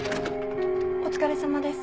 お疲れさまです。